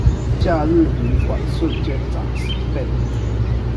假日旅館瞬間漲十倍